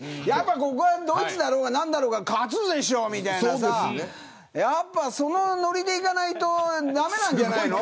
ここは、ドイツだろうがなんだろうが勝つでしょみたいなそのノリでいかないと駄目なんじゃないの。